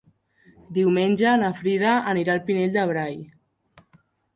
Diumenge na Frida anirà al Pinell de Brai.